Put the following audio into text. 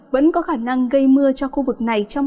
vẫn có khả năng gây mưa cho khu vực này trong